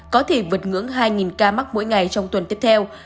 có thể vượt ngưỡng hai ca mắc mỗi ngày trong tuần tiếp theo